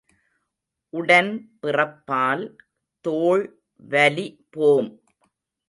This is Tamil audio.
உடன் பிறப்பால் தோள் வலி போம்.